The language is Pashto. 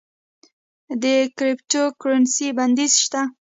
د کریپټو کرنسی بندیز شته؟